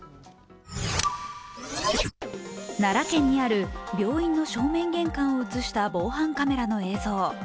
奈良県にある病院の正面玄関を映した防犯カメラの映像。